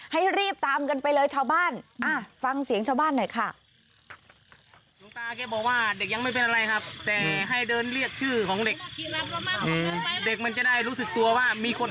ให้รีบตามกันไปเลยชาวบ้าน